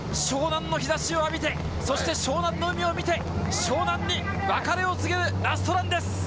湘南の日差しを浴びてそして湘南の海を見て湘南に別れを告げるラストランです！